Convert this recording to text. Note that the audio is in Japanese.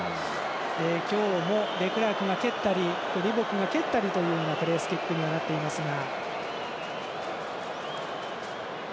今日もデクラークが蹴ったりリボックが蹴ったりというプレースキックになっていますが。